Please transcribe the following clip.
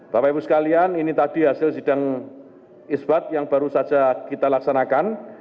bapak ibu sekalian ini tadi hasil sidang isbat yang baru saja kita laksanakan